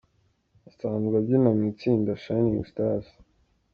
Asanzwe abyina mu itsinda Shinning Stars.